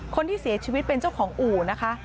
คนที่เสียชีวิตเป็นเจ้าของอู่นะคะ